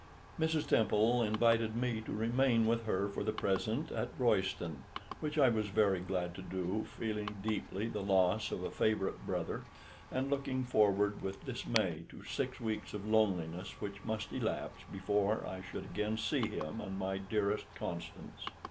Mrs. Temple invited me to remain with her for the present at Royston, which I was very glad to do, feeling deeply the loss of a favourite brother, and looking forward with dismay to six weeks of loneliness which must elapse before I should again see him and my dearest Constance.